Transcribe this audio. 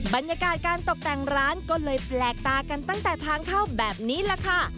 บรรยากาศการตกแต่งร้านก็เลยแปลกตากันตั้งแต่ทางเข้าแบบนี้แหละค่ะ